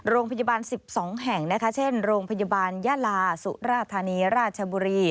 โรงพยาบาล๑๒แห่งนะคะเช่นโรงพยาบาลยาลาสุราธานีราชบุรี